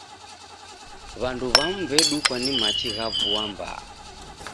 W'andu w'amu w'edukwa ni machi gha vua mbaa.